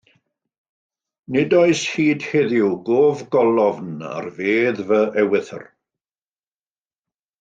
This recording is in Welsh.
Nid oes hyd heddiw gof golofn ar fedd fy ewythr.